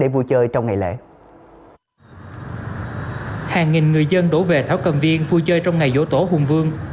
vui chơi trong ngày lễ hàng nghìn người dân đổ về thảo cầm viên vui chơi trong ngày vỗ tổ hùng vương